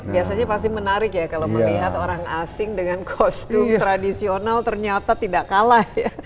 biasanya pasti menarik ya kalau melihat orang asing dengan kostum tradisional ternyata tidak kalah ya